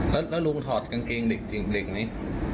แล้วลุงถอดกางกริงหลีกนี้